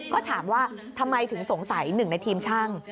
ก็ถามว่าทำไมถึงสงสัยหนึ่งในทีมช่าง